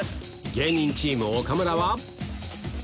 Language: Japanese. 芸人チーム岡村は？